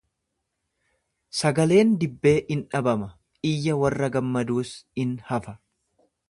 Sagaleen dibbee in dhabama, iyya warra gammaduus in hafa.